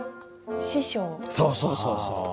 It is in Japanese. そうそうそうそう。